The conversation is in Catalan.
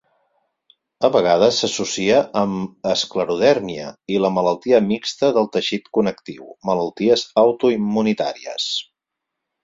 A vegades s'associa amb esclerodèrmia i la malaltia mixta del teixit connectiu, malalties autoimmunitàries.